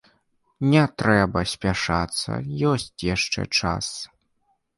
Не трэба спяшацца, ёсць яшчэ час.